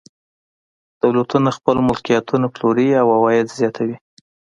دولتونه خپل ملکیتونه پلوري او عواید زیاتوي.